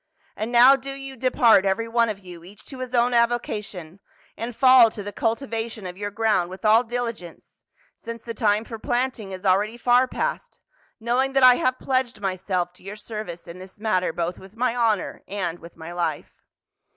And now do you depart every one of you, each to his own avocation, and fall to the cultivation of your ground with all diligence •— since the time for planting is already far past, know ing that I have pledged myself to your service in this matter both with my honor and with my life."